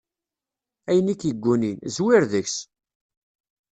Ayen i k-iggunin, zwir deg-s!